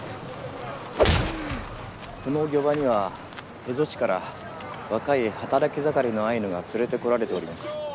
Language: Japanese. この漁場には蝦夷地から若い働き盛りのアイヌが連れて来られております。